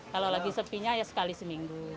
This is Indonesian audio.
kalau lagi sepi nya ya sekali seminggu